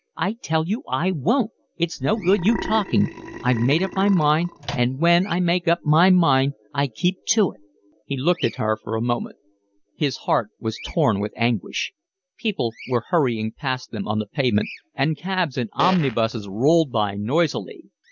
"I tell you I won't. It's no good you talking. I've made up my mind, and when I make up my mind I keep to it." He looked at her for a moment. His heart was torn with anguish. People were hurrying past them on the pavement, and cabs and omnibuses rolled by noisily.